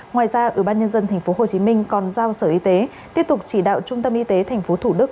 ngoài ra ủy ban nhân dân tp hcm còn giao sở y tế tiếp tục chỉ đạo trung tâm y tế tp thủ đức